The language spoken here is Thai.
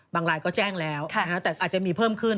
รายก็แจ้งแล้วแต่อาจจะมีเพิ่มขึ้น